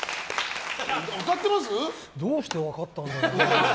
どうして分かったんだろうね？